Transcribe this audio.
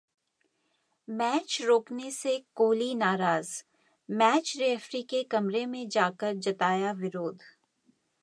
match रोकने से कोहली नाराज, मैच रेफरी के कमरे में जाकर जताया विरोध